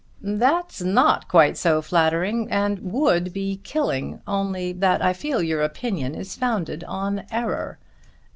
"That's not quite so flattering, and would be killing, only that I feel that your opinion is founded on error.